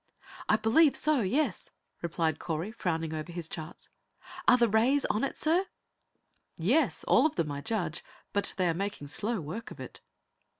"I believe so; yes," replied Correy, frowning over his charts. "Are the rays on it, sir?" "Yes. All of them, I judge, but they are making slow work of it."